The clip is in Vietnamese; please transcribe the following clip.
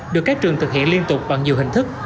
được các trường thực hiện liên tục bằng nhiều hình thức